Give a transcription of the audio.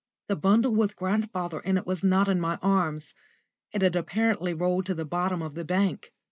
The bundle with grandfather in it was not in my arms. It had apparently rolled to the bottom of the bank.